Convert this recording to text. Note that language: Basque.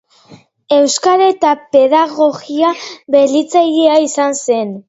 Euskara eta pedagogia berritzailea izan zen.